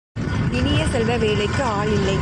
இனிய செல்வ வேலைக்கு ஆள் இல்லை!